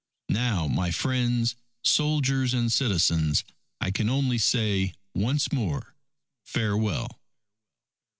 Now, my friends soldiers and citizens I can only say once more, Farewell.